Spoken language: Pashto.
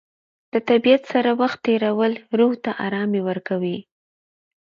د طبیعت سره وخت تېرول روح ته ارامي ورکوي.